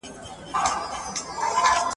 ماشوم به څرنګه سړه شپه تر سهاره یوسی ..